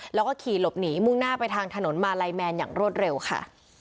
แล้วก็ขี่หลบหนีมุ่งหน้าไปทางถนนมาลัยแมนอย่างรวดเร็วค่ะ